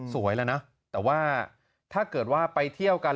สวยแล้วนะแต่ว่าถ้าเกิดว่าไปเที่ยวกัน